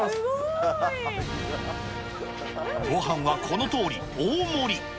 ごはんはこのとおり、大盛り。